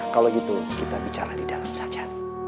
kalau gitu kita bicara di dalam saja